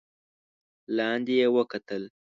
لاندې يې وکتل.